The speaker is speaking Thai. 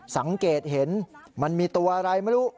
สังเกตเห็นมันมีตัวอะไรไม่รู้